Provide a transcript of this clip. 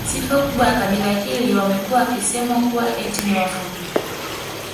Sifa kubwa ya kabila hili wamekuwa wakisemwa kuwa eti ni wafupi